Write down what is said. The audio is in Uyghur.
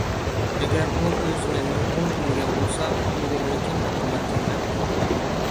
ئەگەر ئۇ ئۆزىنى موڭغۇل دېمىگەن بولسا، ئۇيغۇرمىكىن دەپ قالاركەنمەن.